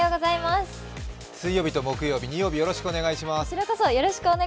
水曜日と木曜日、２曜日、よろしくお願いします。